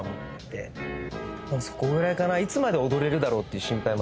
そこぐらいかな。